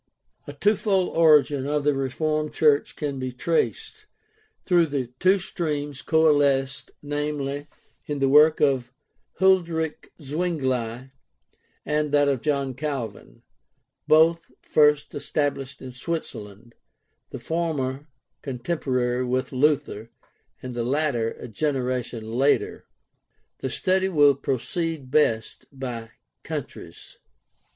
A twofold origin of the Reformed church can be traced, though the two streams coalesced, namely, in the work of Huldreich Zwingli and in that of John Calvin, both first established in Switzerland, the former contemporary with Luther and the latter a generation later. The study will proceed best by countries.